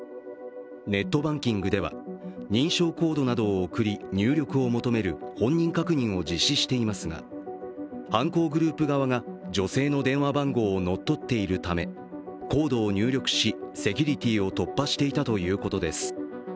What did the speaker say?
ネットバンキングでは認証コードなどを送り、入力を求める本人確認を実施していますが犯行グループ側が女性の電話番号を乗っ取っているため、コードを入力し、セキュリティーを突破していたということです。